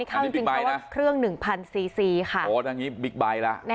ส่วนสองตายายขี่จักรยานยนต์อีกคันหนึ่งก็เจ็บถูกนำตัวส่งโรงพยาบาลสรรค์กำแพง